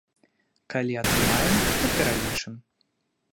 Калі атрымаем, то пералічым.